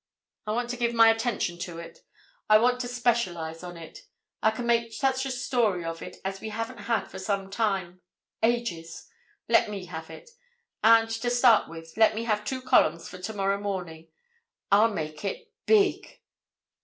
I want to give my attention to it. I want to specialize on it. I can make such a story of it as we haven't had for some time—ages. Let me have it. And to start with, let me have two columns for tomorrow morning. I'll make it—big!"